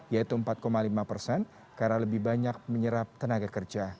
yaitu empat lima persen karena lebih banyak menyerap tenaga kerja